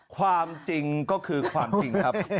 ความจริงก็คือความจริงครับ